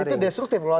dan itu destruktif loh